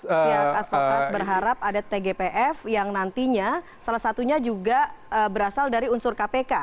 ya berharap ada tgpf yang nantinya salah satunya juga berasal dari unsur kpk